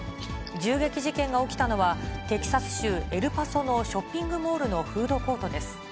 銃撃事件が起きたのは、テキサス州エルパソのショッピングモールのフードコートです。